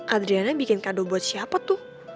adriana bikin kado buat siapa tuh